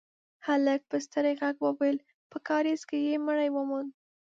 هلک په ستړي غږ وويل: په کارېز کې يې مړی وموند.